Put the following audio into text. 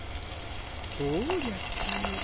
そうじゃったのか。